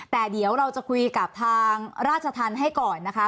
แต่เดี๋ยวเราจะคุยกับทางราชธรรมให้ก่อนนะคะ